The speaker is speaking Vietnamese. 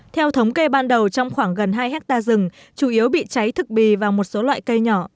theo thống kê ban đầu trong khoảng gần hai hectare rừng chủ yếu bị cháy thực bì và một số loại cây nhỏ